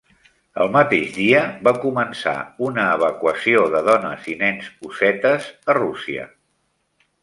El mateix dia va començar una evacuació de dones i nens ossetes a Rússia.